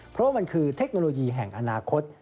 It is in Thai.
เพราะว่ามันคือเทคโนโลยีแห่งอนาคต